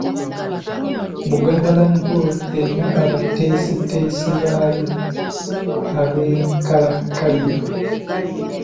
Buganda Land Board erina abateesiteesi baayo ab'enkalakkalira.